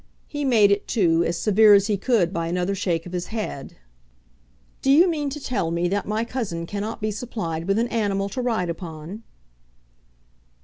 He made it, too, as severe as he could by another shake of his head. "Do you mean to tell me that my cousin cannot be supplied with an animal to ride upon?"